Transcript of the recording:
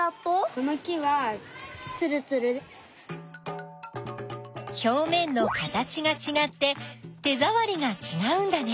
この木はひょうめんの形がちがって手ざわりがちがうんだね。